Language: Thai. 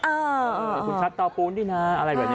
คุณชัตร์เต้าปูนดินะอะไรแบบนี้